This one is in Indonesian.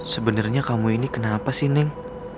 sebenarnya kamu ini kenapa sih neng